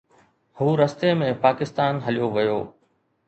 هو رستي ۾ پاڪستان هليو ويو.